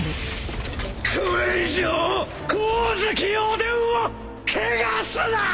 これ以上光月おでんを汚すなっ！